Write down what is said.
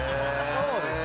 そうです。